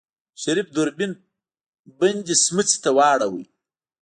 شريف دوربين بندې سمڅې ته واړوه.